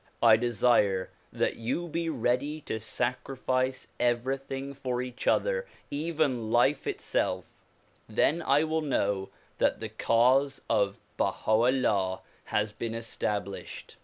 I desire that you be ready to sacrifice everything for each other, even life itself ; then I will know that the cause of Baha 'Ullah has been estab lished.